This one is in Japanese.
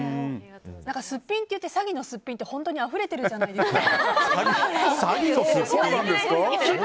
すっぴんって言って詐欺のすっぴんってあふれてるじゃないですか。